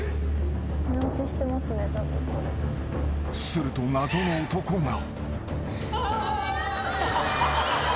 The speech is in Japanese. ［すると謎の男が］